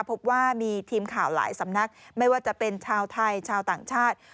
พบว่ามีทีมข่าวหลายสำนักไม่ว่าจะเป็นชาวไทยชาวต่างชาติ